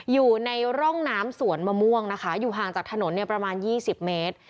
อยู่ในร่องน้ำสวนมะม่วงนะคะอยู่ห่างจากถนนเนี่ยประมาณ๒๐เมตร